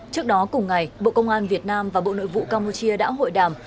trước đó cùng ngày bộ công an việt nam và bộ nội vụ campuchia đã hội đàm